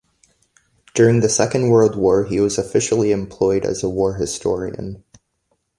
During the Second World War he was officially employed as a war historian.